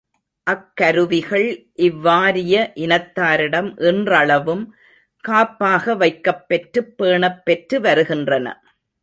அக்கருவிகள் இவ்வாரிய இனத்தாரிடம் இன்றளவும் காப்பாக வைக்கப்பெற்றுப் பேணப் பெற்று வருகின்றன.